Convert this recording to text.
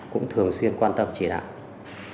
cũng thường xuyên quan tâm chỉ đạo